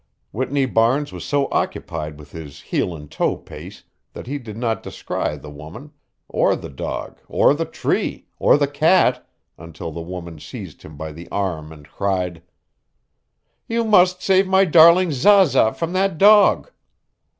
Whitney Barnes was so occupied with his heel and toe pace that he did not descry the woman or the dog or the tree or the cat until the woman seized him by the arm and cried: "You must save my darling Zaza from that dog."